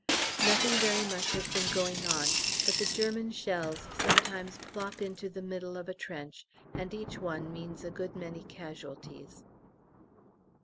Nothing very much has been going on, but the German shells sometimes plop into the middle of a trench, and each one means a good many casualties.